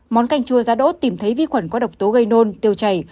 món canh chua giá đỗ tìm thấy vi khuẩn có độc tố gây nôn tiêu chảy